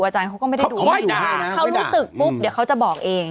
อาจารย์เขาก็ไม่ได้ดูบ่อยเขารู้สึกปุ๊บเดี๋ยวเขาจะบอกเอง